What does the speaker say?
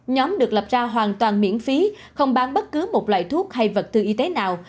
nhóm được lập ra hoàn toàn miễn phí không bán bất cứ một loại thuốc hay vật tư y tế nào